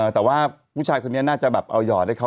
แต่ว่าผู้ชายคนนี้น่าจะแบบเอาหยอดให้เขา